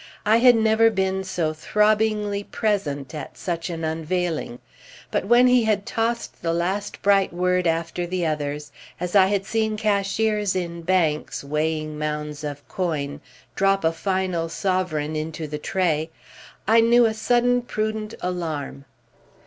I had never been so throbbingly present at such an unveiling. But when he had tossed the last bright word after the others, as I had seen cashiers in banks, weighing mounds of coin, drop a final sovereign into the tray, I knew a sudden prudent alarm.